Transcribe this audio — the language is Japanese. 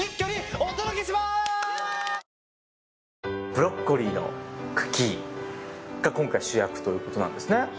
ブロッコリーの茎が今回主役ということなんですね。